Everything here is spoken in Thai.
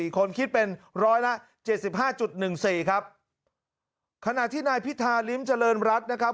คนคิดเป็นร้อยละ๗๕๑๔ครับขณะที่นายพิธาริมเจริญรัฐนะครับ